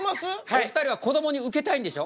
お二人はこどもにウケたいんでしょ？